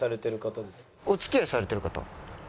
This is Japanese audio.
「お付き合いされてる方ですか？」。